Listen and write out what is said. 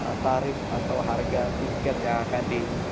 nah ini nanti berapa tarif atau harga tiket yang akan di